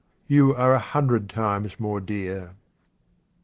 you are a hundred times more dear.